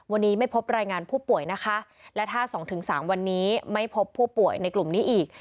วันนี้ไม่พบรายงานผู้ป่วยนะคะและถ้าสองถึงสามวันนี้ไม่พบผู้ป่วยในกลุ่มนี้อีก